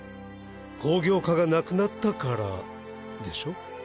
工業科がなくなったからでしょ？